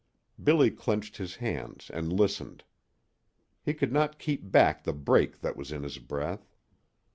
Billy clenched his hands and listened. He could not keep back the break that was in his breath.